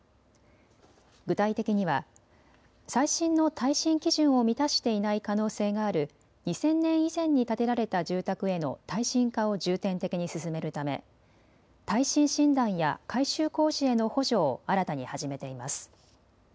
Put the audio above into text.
具体的には最新の耐震基準を満たしていない可能性がある２０００年以前に建てられた住宅への耐震化を重点的に進めるため耐震診断や改修工事への補助を新たに始めています。